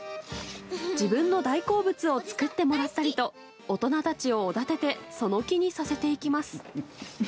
自分の大好物を作ってもらったりと大人たちをおだててその気にさせていきます。